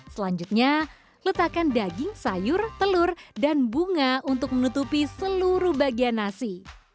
selanjutnya letakkan daging sayur telur dan bunga untuk menutupi seluruh bagian nasi